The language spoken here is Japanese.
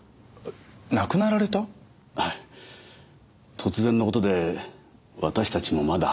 突然の事で私たちもまだ。